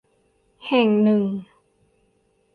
แห่งหนึ่ง